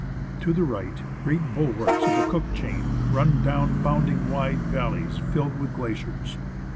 ^ To the right, great bulwarks of the Cook chain run down bounding wide valleys filled with glaciers.